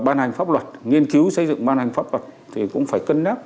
ban hành pháp luật nghiên cứu xây dựng ban hành pháp luật thì cũng phải cân nhắc